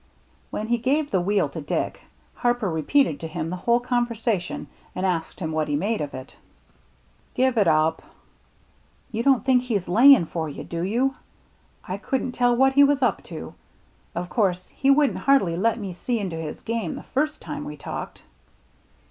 When he gave the wheel to Dick, Harper repeated to him the whole conversation and asked him what he made of it. " Give it up." " You don't think he's layin' for you, do you? I couldn't tell what he was up to. Of course he wouldn't hardly let me see into his game the first time we talked."